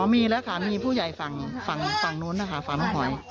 มีแล้วค่ะมีผู้ใหญ่ฝั่งฝั่งนู้นนะคะฝั่งน้องหอย